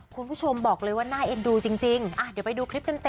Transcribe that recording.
คุณผู้ชมบอกเลยว่าน่าเอ็นดูจริงเดี๋ยวไปดูคลิปกันเต็ม